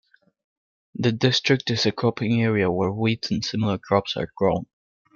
The district is a cropping area where wheat and similar crops are grown.